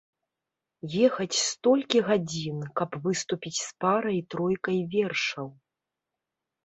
Ехаць столькі гадзін, каб выступіць з парай-тройкай вершаў.